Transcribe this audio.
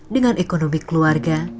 dengan ekonomi keluarga